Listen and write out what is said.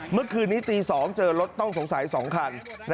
เมื่อคืนนี้ตี๒เจอรถต้องสงสัย๒คัน